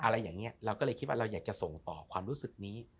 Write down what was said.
เราก็เลยคิดว่าเราอยากจะส่งต่อความรู้สึกนี้